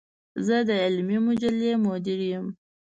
زۀ د علمي مجلې مدير يم.